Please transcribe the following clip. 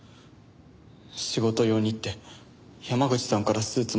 仕事用にって山口さんからスーツもらって。